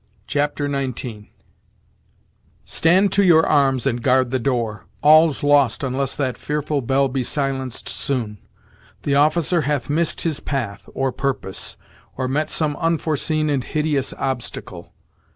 Chapter XIX "Stand to your arms, and guard the door all's lost Unless that fearful bell be silenced soon. The officer hath miss'd his path, or purpose, Or met some unforeseen and hideous obstacle.